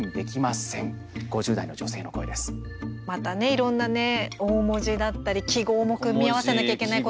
いろんな大文字だったり記号も組み合わせなきゃいけない。